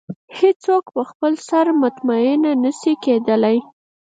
هېڅ څوک په خپل سر مطمئنه نه شي کېدلی.